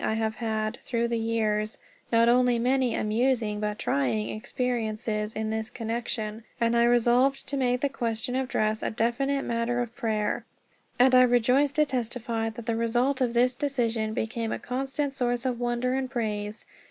I have had, through the years, not only many amusing but trying experiences in this connection, and I resolved to make the question of dress a definite matter of prayer. And I rejoice to testify that the result of this decision became a constant source of wonder and praise.